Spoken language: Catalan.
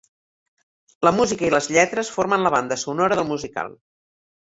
La música i les lletres formen la banda sonora del musical.